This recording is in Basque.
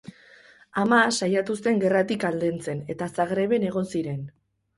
Ama saiatu zen gerratik aldentzen eta Zagreben egon ziren.